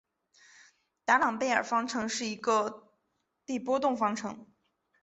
达朗贝尔方程是一个的波动方程。